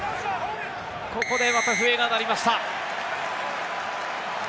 ここでまた笛が鳴りました。